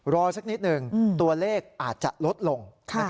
สักนิดหนึ่งตัวเลขอาจจะลดลง